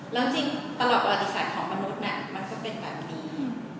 แล้วจริงตลอดประวัติศาสตร์ของมนุษย์มันก็เป็นแบบนี้